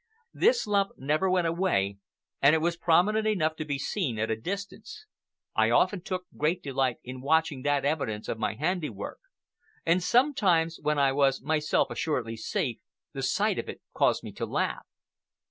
This lump never went away, and it was prominent enough to be seen at a distance. I often took great delight in watching that evidence of my handiwork; and sometimes, when I was myself assuredly safe, the sight of it caused me to laugh.